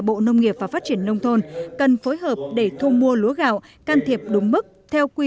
bộ nông nghiệp và phát triển nông thôn cần phối hợp để thu mua lúa gạo can thiệp đúng mức theo quy